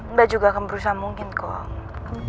enggak juga akan berusaha mungkin kok